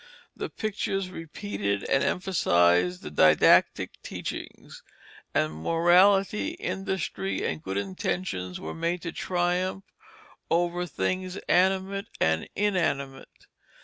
The pictures repeated and emphasized the didactic teachings; and morality, industry, and good intentions were made to triumph over things animate and inanimate.